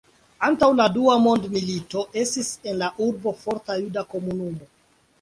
Antaŭ la Dua mondmilito estis en la urbo forta juda komunumo.